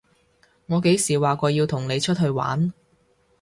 我幾時話過要同你出去玩？